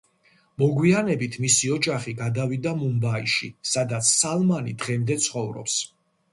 მოგვიანებით მისი ოჯახი გადავიდა მუმბაიში, სადაც სალმანი დღემდე ცხოვრობს.